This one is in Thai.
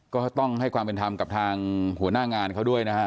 ก็ต้องให้ความเป็นธรรมกับทางหัวหน้างานเขาด้วยนะฮะ